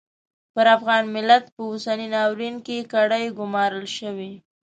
پر افغان ملت په اوسني ناورین کې کړۍ ګومارل شوې.